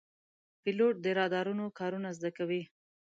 پیلوټ د رادارونو کارونه زده کوي.